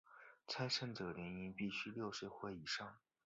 参赛者年龄必须六岁或以上。